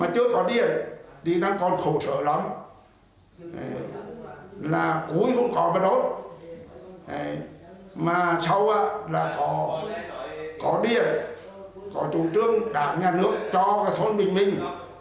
trong rừng núi sâu có điện có chủ trương đảng nhà nước cho thôn bình minh